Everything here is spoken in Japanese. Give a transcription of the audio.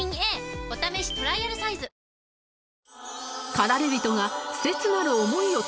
駆られ人が